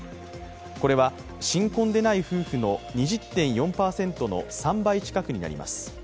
これは、新婚でない夫婦の２０．４％の３倍近くになります。